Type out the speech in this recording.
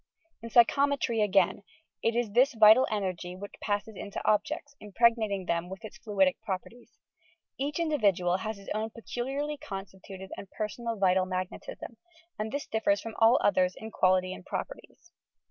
In Psyehometry, again, it is this vital energy which passes into objects, impregnating them with its fluidic properties. Each individual has his own peculiarly constituted and personal vital magnetism, and this differs from all others in quality and properties.